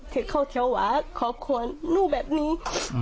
ถ้าเขาเที่ยวหาครอบครัวนู่นแบบนี้